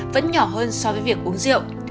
vẫn nhỏ hơn so với việc uống rượu